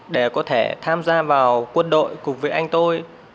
để có thể tham gia vào quân đội cùng với anh tôi